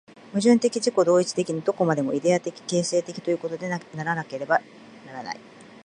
矛盾的自己同一的に、どこまでもイデヤ的形成的ということでなければならない。